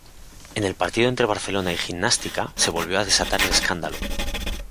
En el partido entre Barcelona y Gimnástica se volvió a desatar el escándalo.